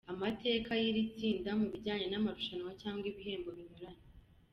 Amateka y’iri tsinda mu bijyanye n’amarushanwa cyangwa ibihembo binyuranye.